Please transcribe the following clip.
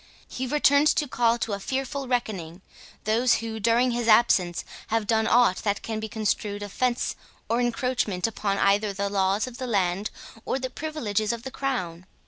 He returns to call to a fearful reckoning, those who, during his absence, have done aught that can be construed offence or encroachment upon either the laws of the land or the privileges of the crown.